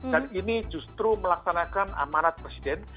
dan ini justru melaksanakan amanat presiden